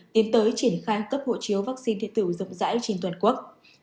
đến tới triển khai cấp hộ chiếu vaccine điện tử rộng rãi trên toàn quốc